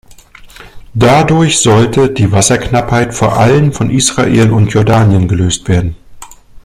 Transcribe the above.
Dadurch sollte die Wasserknappheit vor allem von Israel und Jordanien gelöst werden.